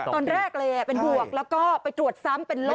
ตอนแรกเลยเป็นบวกแล้วก็ไปตรวจซ้ำเป็นลบ